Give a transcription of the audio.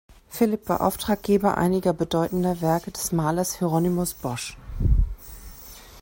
Philipp war Auftraggeber einiger bedeutender Werke des Malers Hieronymus Bosch.